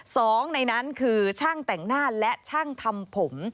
สองในนั้นคือช่างแต่งหน้าและช่างทำผม